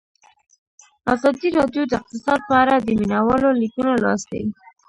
ازادي راډیو د اقتصاد په اړه د مینه والو لیکونه لوستي.